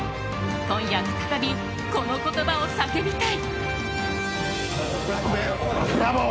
今夜再び、この言葉を叫びたい。